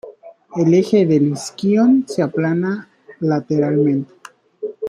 El eje del isquion se aplana lateralmente.